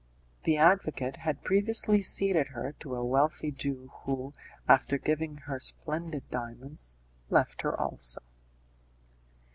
The advocate had previously ceded her to a wealthy Jew who, after giving her splendid diamonds, left her also.